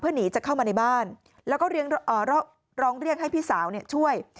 หนีจะเข้ามาในบ้านแล้วก็ร้องเรียกให้พี่สาวช่วย